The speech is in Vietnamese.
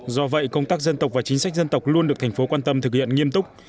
do vậy công tác dân tộc và chính sách dân tộc luôn được thành phố quan tâm thực hiện nghiêm túc